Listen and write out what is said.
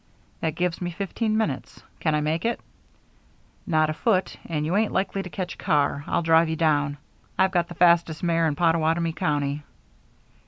"That gives me fifteen minutes. Can I make it?" "Not afoot, and you ain't likely to catch a car. I'll drive you down. I've got the fastest mare in Pottawatomie County."